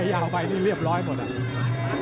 ยาวไปนี่เรียบร้อยหมดอ่ะ